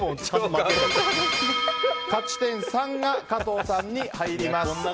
勝ち点３が加藤さんに入ります。